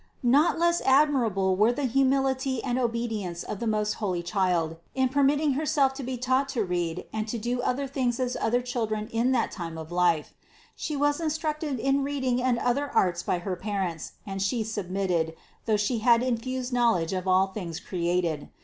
405. Not less admirable were the humility and obe dience of the most holy Child in permitting Herself to be taught to read and to do other things as other children in that time of life. She was instructed in reading and other arts by her parents and She submitted, though She had infused knowledge of all things created.